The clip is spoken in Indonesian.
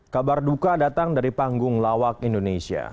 kabar duka datang dari panggung lawak indonesia